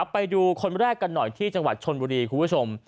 ไปดูคนแรกกันหน่อยที่จังหวัดชนบุรีคุณผู้ชม